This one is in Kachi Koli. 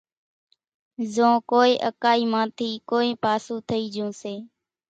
زو ڪونئين اڪائِي مان ٿِي ڪونئين پاسُون ٿئِي جھون سي